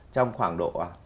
trong khoảng độ